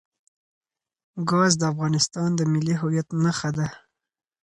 ګاز د افغانستان د ملي هویت نښه ده.